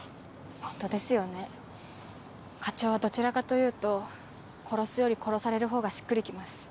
ホントですよね課長はどちらかというと殺すより殺されるほうがしっくり来ます。